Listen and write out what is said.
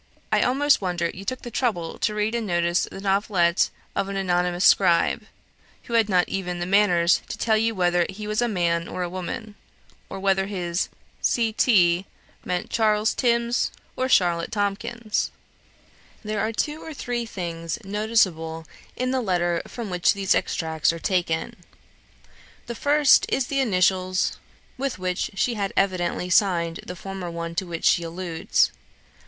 I almost wonder you took the trouble to read and notice the novelette of an anonymous scribe, who had not even the manners to tell you whether he was a man or a woman, or whether his 'C. T.' meant Charles Timms or Charlotte Tomkins." There are two or three things noticeable in the letter from which these extracts are taken. The first is the initials with which she had evidently signed the former one to which she alludes.